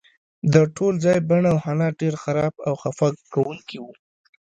د ټول ځای بڼه او حالت ډیر خراب او خفه کونکی و